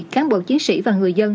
cám bộ chiến sĩ và người dân